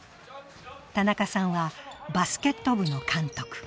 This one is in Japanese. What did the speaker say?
田中さんはバスケット部の監督。